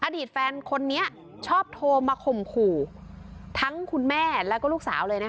อดีตแฟนคนนี้ชอบโทรมาข่มขู่ทั้งคุณแม่แล้วก็ลูกสาวเลยนะคะ